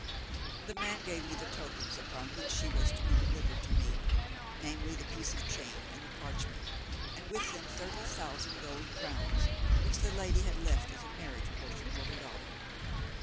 The man gave me the tokens upon which she was to be delivered to me, namely the piece of chain and the parchment, and with them thirty thousand gold crowns, which the lady had left as a marriage portion for her daughter.